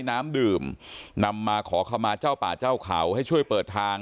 น้ำดื่มนำมาขอขมาเจ้าป่าเจ้าเขาให้ช่วยเปิดทาง